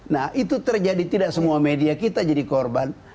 nah itu terjadi tidak semua media kita jadi korban